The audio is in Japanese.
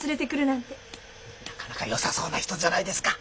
なかなかよさそうな人じゃないですか。